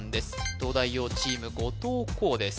東大王チーム後藤弘です